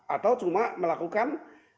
atau cuma melakukan